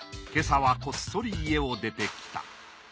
今朝はこっそり家を出てきた。